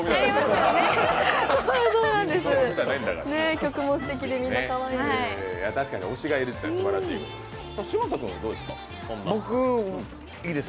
曲もすてきでみんなかわいいです。